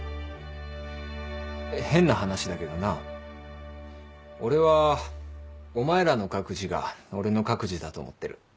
変な話だけどな俺はお前らの書く字が俺の書く字だと思ってる。